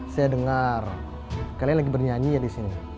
saya dengar kalian lagi bernyanyi ya di sini